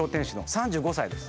３５歳です。